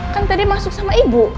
kan tadi masuk sama ibu